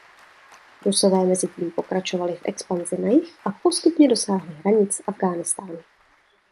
Rusové mezitím pokračovali v expanzi na jih a postupně dosáhli hranic Afghánistánu.